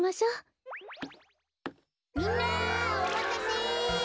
みんなおまたせ！